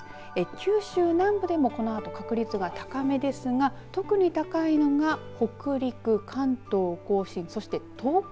九州南部でもこのあと確率が高めですが特に高いのが北陸、関東甲信そして東海